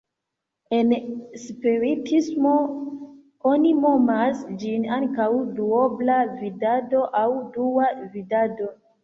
En spiritismo oni nomas ĝin ankaŭ "duobla vidado" aŭ "dua vidado".